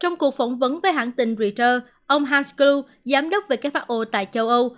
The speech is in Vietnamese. trong cuộc phỏng vấn với hãng tình reuters ông hans kluh giám đốc who tại châu âu